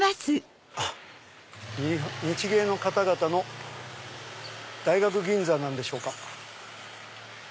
日藝の方々の大学銀座なんでしょうか。